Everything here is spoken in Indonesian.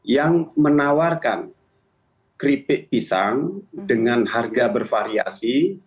yang menawarkan keripik pisang dengan harga bervariasi